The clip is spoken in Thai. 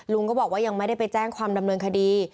ลุงก็บอกว่ายังไม่ได้ไปแจ้งความดำเนินคดี